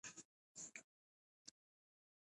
اوښ د افغانستان د پوهنې نصاب کې شامل دي.